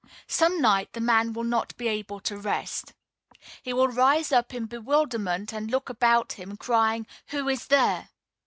Some night the man will not be able to rest. He will rise up in bewilderment and look about him, crying: "Who is there?"